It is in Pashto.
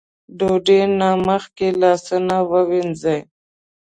ډوډۍ نه مخکې لاسونه ووينځئ ـ